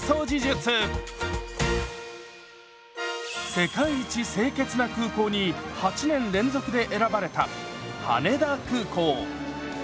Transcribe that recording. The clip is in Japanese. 「世界一清潔な空港」に８年連続で選ばれた羽田空港。